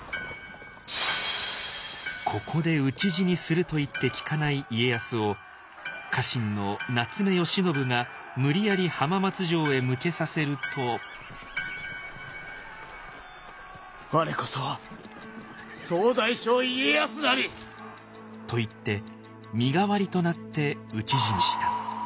ここで討ち死にすると言ってきかない家康を家臣の夏目吉信が無理やり浜松城へ向けさせると。と言って身代わりとなって討ち死にした。